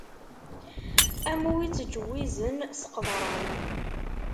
Am wi ittǧewwizen s qeḍran.